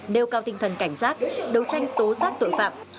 nêu cao tinh thần cảnh giác đấu tranh tố giác tội phạm